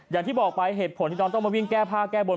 อย่างที่บอกไปเหตุผลที่น้องต้องมาวิ่งแก้ผ้าแก้บน